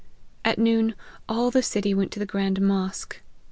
At noon, all the city went to the grand mosque.